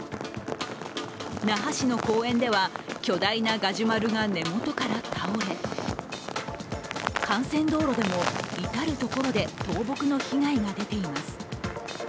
那覇市の公園では巨大なガジュマルが根本から倒れ幹線道路でも、至る所で倒木の被害が出ています。